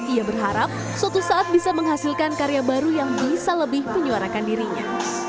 ia berharap suatu saat bisa menghasilkan karya baru yang bisa lebih menyuarakan dirinya